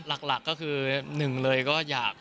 หลักก็คือหนึ่งเลยก็อยาก